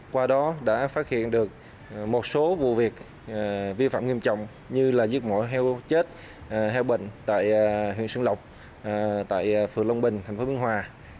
qua đó đã phát hiện được một số vụ việc vi phạm nghiêm trọng như là giết mổ heo chết heo bệnh tại huyện xuân lộc tại phường long bình thành phố biên hòa